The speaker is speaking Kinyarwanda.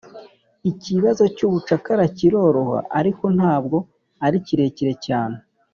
ikibazo cy'ubucakara kiroroha, ariko ntabwo ari kirekire cyane